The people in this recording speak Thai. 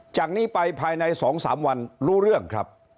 จากนี้ไปภายใน๒๓วันรู้เรื่องครับ